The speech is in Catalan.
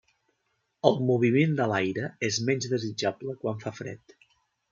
El moviment de l'aire és menys desitjable quan fa fred.